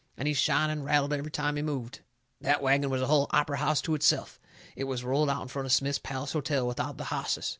And he shined and rattled every time he moved. That wagon was a hull opry house to itself. It was rolled out in front of Smith's Palace Hotel without the hosses.